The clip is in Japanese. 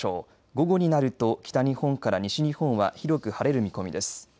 午後になると北日本から西日本は広く晴れる見込みです。